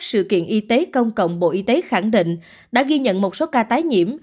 sự kiện y tế công cộng bộ y tế khẳng định đã ghi nhận một số ca tái nhiễm